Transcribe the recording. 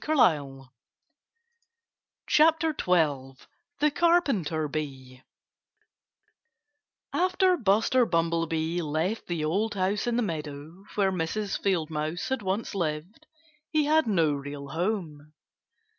(Page 56)] XII THE CARPENTER BEE After Buster Bumblebee left the old house in the meadow, where Mrs. Field Mouse had once lived, he had no real home.